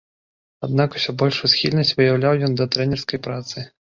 Аднак усё большую схільнасць выяўляў ён да трэнерскай працы.